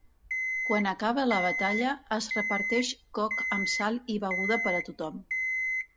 Quan acaba la batalla es reparteix coc amb sal i beguda per a tothom.